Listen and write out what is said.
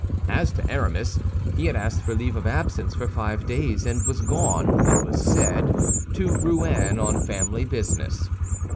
As to Aramis, he had asked for leave of absence for five days, and was gone, it was said, to Rouen on family business.